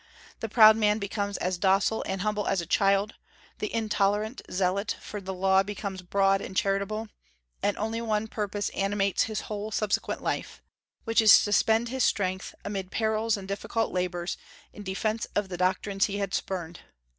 The proud man becomes as docile and humble as a child; the intolerant zealot for the Law becomes broad and charitable; and only one purpose animates his whole subsequent life, which is to spend his strength, amid perils and difficult labors, in defence of the doctrines he had spurned.